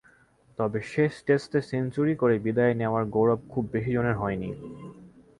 তবে শেষ টেস্টে সেঞ্চুরি করে বিদায় নেওয়ার গৌরব খুব বেশি জনের হয়নি।